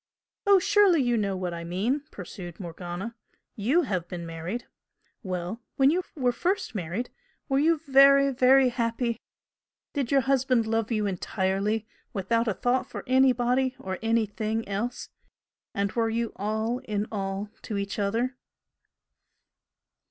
"Oh, surely you know what I mean!" pursued Morgana "YOU have been married. Well, when you were first married were you very, very happy? Did your husband love you entirely without a thought for anybody or anything else? and were you all in all to each other?"